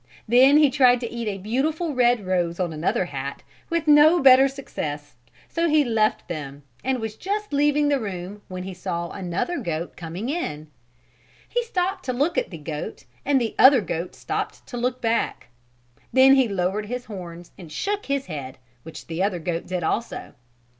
Then he tried to eat a beautiful red rose on another hat with no better success so he left them, and was just leaving the room when he saw another goat coming in. He stopped to look at the goat and the other goat stopped to look back. Then he lowered his horns and shook his head, which the other goat did also.